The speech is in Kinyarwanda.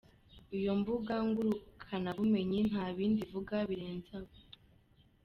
Iyo mbuga ngurukanabumenyi, nta bindi ivuga birenze aho.